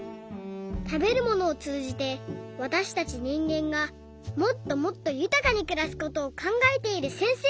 たべるものをつうじて私たちにんげんがもっともっとゆたかにくらすことをかんがえているせんせいなんです。